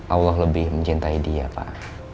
allah lebih mencintai dia pak